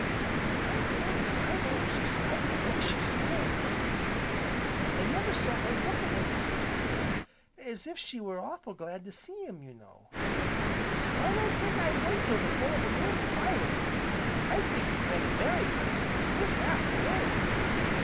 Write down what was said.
"I'm thinking I don't just like the way she smiled at Mr. Cassilis, I never saw her look at him like that before, as if she were awful' glad to see him, you know; so I don't think I'd wait till the full o' the moon, if I were you. I think you'd better marry her this afternoon."